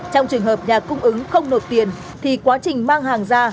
trong trường hợp nhà cung ứng không nộp tiền thì quá trình mang hàng ra